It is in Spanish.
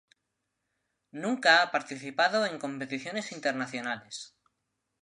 Nunca ha participado en competiciones internacionales.